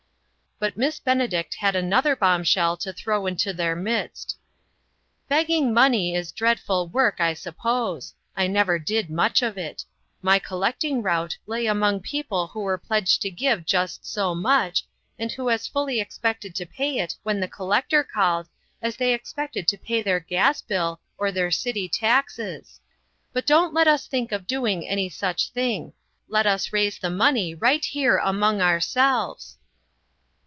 But Miss Benedict had another bomb shell to throw into their midst. "Begging money is dreadful work, I sup pose. I never did much of it. My collect ing route lay among people who were pledged to give just so much, and who as fully expected to pay it when the collector called, as they expected to pay their gas bill or their city taxes. But don't let us think of doing any such thing. Let us raise the money right here among our selves."